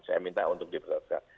saya minta untuk diperlukan